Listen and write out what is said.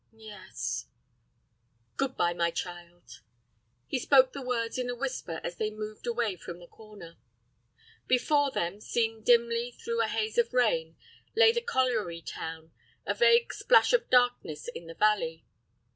"Yes." "Good bye, my child." He spoke the words in a whisper as they moved away from the corner. Before them, seen dimly through a haze of rain, lay the colliery town, a vague splash of darkness in the valley.